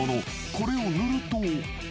これを塗ると］